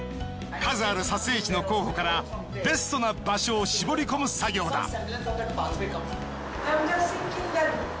数ある撮影地の候補からベストな場所を絞り込む作業だ。